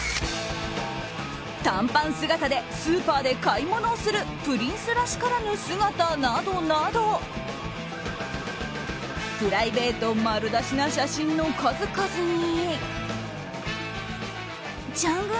短パン姿でスーパーで買い物をするプリンスらしからぬ姿などなどプライベート丸出しな写真の数々に。